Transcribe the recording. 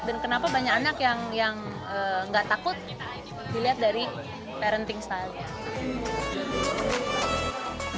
dan kenapa banyak anak yang gak takut dilihat dari parenting style